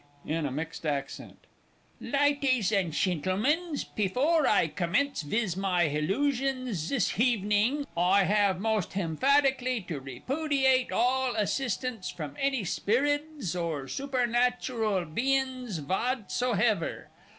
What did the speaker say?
(in a mixed accent). Lyties and Shentilmans, pefoor I co mence viz my hillusions zis hevenin' I 'ave most hemphadically to repoodiate hall assistance from hany spirrids or soopernatural beins vatsohever.